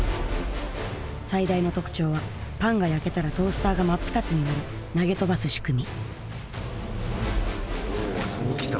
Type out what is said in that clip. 最大の特徴はパンが焼けたらトースターが真っ二つに割れ投げ飛ばす仕組み